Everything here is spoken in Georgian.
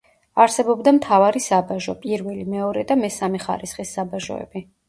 არსებობდა მთავარი საბაჟო, პირველი, მეორე და მესამე ხარისხის საბაჟოები.